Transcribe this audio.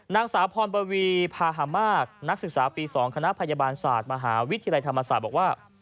นางสาวพรปวีพาหามากนักศึกษาปี๒คณะพยาบาลศาสตร์มหาวิทยาลัยธรรมศาสตร์บอกว่า